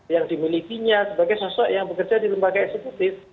yang dimilikinya sebagai sosok yang bekerja di lembaga eksekutif